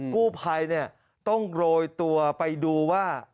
กู้ภัยต้องโรยตัวไปดูว่า